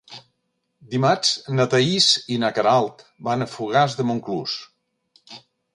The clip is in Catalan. Dimarts na Thaís i na Queralt van a Fogars de Montclús.